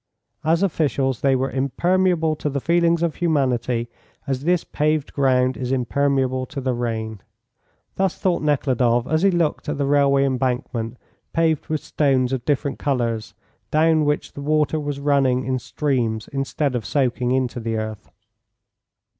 "As officials they were impermeable to the feelings of humanity, as this paved ground is impermeable to the rain." Thus thought Nekhludoff as he looked at the railway embankment paved with stones of different colours, down which the water was running in streams instead of soaking into the earth.